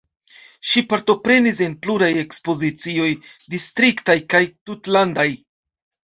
Ŝi partoprenis en pluraj ekspozicioj distriktaj kaj tutlandaj.